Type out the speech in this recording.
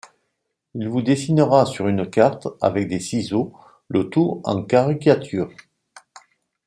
Il vous dessinera sur une carte avec des ciseaux le tout en caricature.